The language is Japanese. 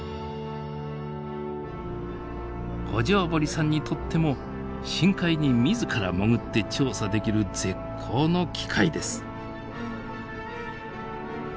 五條堀さんにとっても深海に自ら潜って調査できる絶好の機会です。